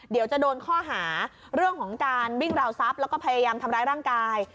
เดี๋ยวจะโดนข้อหาเรื่องของการวิ่งราวทรัพย์แล้วก็พยายามทำร้ายร่างกาย